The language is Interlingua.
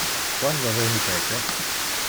Quando veni Peter?